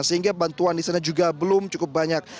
sehingga bantuan di sana juga belum cukup banyak